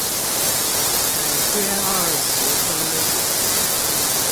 每天二十分